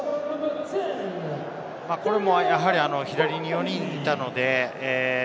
これもやはり左に４人いたので。